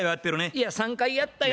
いや３回やったよ。